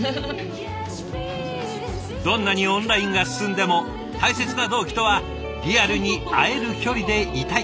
どんなにオンラインが進んでも大切な同期とはリアルに会える距離でいたい。